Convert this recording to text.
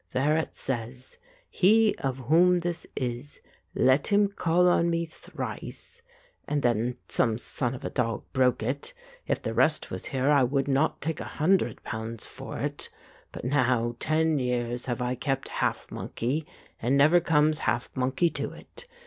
There it says :' He of whom this is, let him call on me thrice '— and then some son of a dog broke it. If the rest was here, I would not take a hundred pounds for it; but now ten years have I kept half monkey, and never comes half monkey to it.